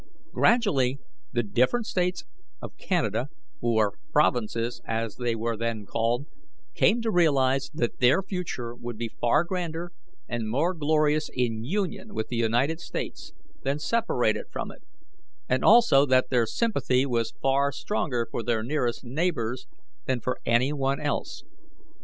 "Gradually the different States of Canada or provinces, as they were then called came to realize that their future would be far grander and more glorious in union with the United States than separated from it; and also that their sympathy was far stronger for their nearest neighbours than for any one else.